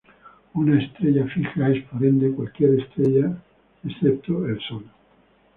Una estrella fija es por ende cualquier estrella excepto el Sol.